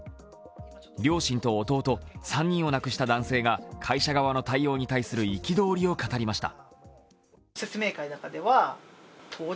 両親と弟、３人を亡くした男性が会社側の対応に対する憤りを語りました。